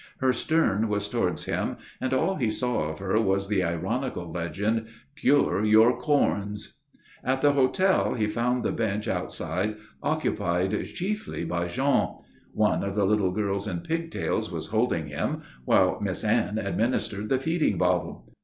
Her stern was towards him, and all he saw of her was the ironical legend, "Cure your Corns." At the hotel he found the bench outside occupied chiefly by Jean. One of the little girls in pigtails was holding him, while Miss Anne administered the feeding bottle.